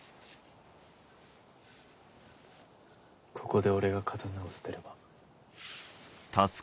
ここで俺が刀を捨てれば。